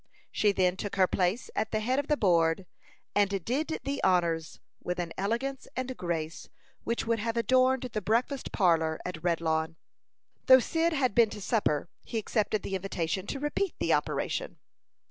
She then took her place at the head of the board, and "did the honors" with an elegance and grace which would have adorned the breakfast parlor at Redlawn. Though Cyd had been to supper, he accepted the invitation to repeat the operation.